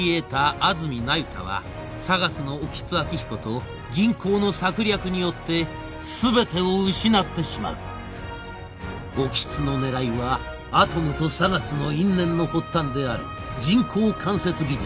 安積那由他はＳＡＧＡＳの興津晃彦と銀行の策略によって全てを失ってしまう興津の狙いはアトムとＳＡＧＡＳの因縁の発端である人工関節技術